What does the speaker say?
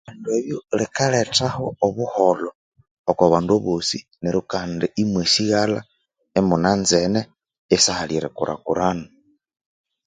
Ebindu ebyo bikalethaho obuholho okwa abandu abosi neryo kandi imwasighalha imunanzene isihali erikurakurana.